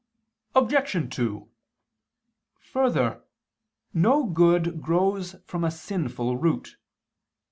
Obj. 2: Further, no good grows from a sinful root.